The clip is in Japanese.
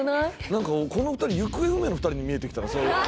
なんかもうこの２人行方不明の２人に見えてきたな。